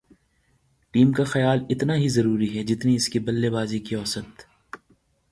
team کا خیال اتنا ہی ضروری ہے جتنی اس کی بلےبازی کی اوسط